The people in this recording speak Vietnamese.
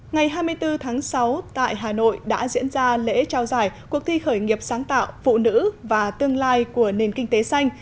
ngày hai mươi bốn tháng sáu tại hà nội đã diễn ra lễ trao giải cuộc thi khởi nghiệp sáng tạo phụ nữ và tương lai của nền kinh tế xanh